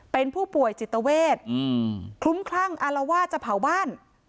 เป็นผู้ป่วยจิตเวทคลุ้มคลั่งอารวาสจะเผาบ้าน